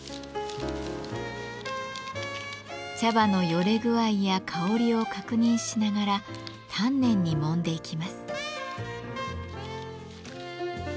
茶葉のよれ具合や香りを確認しながら丹念にもんでいきます。